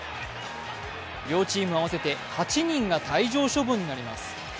両チーム合わせて８人が退場処分となります。